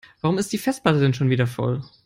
Warum ist die Festplatte denn schon wieder voll?